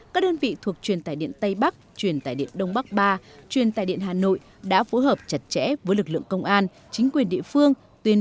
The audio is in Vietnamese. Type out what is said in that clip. bởi vì chưa có chỉ đạo của chính quyền địa phương